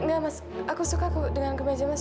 nggak mas aku suka aku dengan kemeja mas